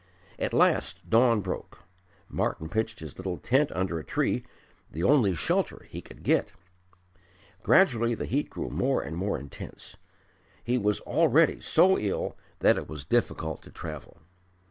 At last dawn broke. Martyn pitched his little tent under a tree, the only shelter he could get. Gradually the heat grew more and more intense. He was already so ill that it was difficult to travel.